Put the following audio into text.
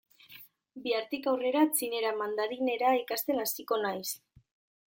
Bihartik aurrera txinera, mandarinera, ikasten hasiko naiz.